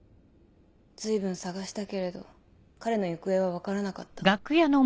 随分捜したけれど彼の行方は分からなかった。